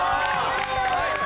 やったー！